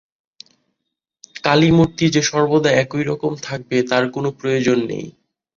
কালীমূর্তি যে সর্বদা একই রকম থাকবে, তার কোন প্রয়োজন নেই।